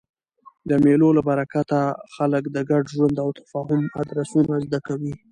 د مېلو له برکته خلک د ګډ ژوند او تفاهم درسونه زده کوي.